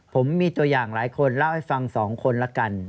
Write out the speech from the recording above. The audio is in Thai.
ผมมีตัวอย่างหลายคนเล่าให้ฟัง๒คนละกัน